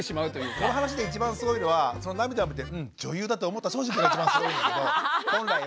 この話で一番すごいのはその涙を見てうん女優だと思った庄司くんが一番すごいんだけど本来は。